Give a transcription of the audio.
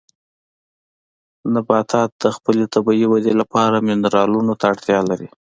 نباتات د خپلې طبیعي ودې لپاره منرالونو ته اړتیا لري.